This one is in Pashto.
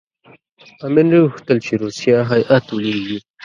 امیر نه غوښتل چې روسیه هېئت ولېږي.